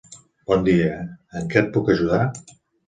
Bon dia! En què et puc ajudar?